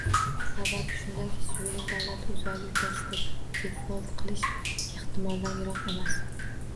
Sababi shundaki, suveren davlat o'z valyutasida defolt qilishi ehtimoldan yiroq emas